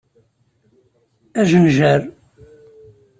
Ajenjar!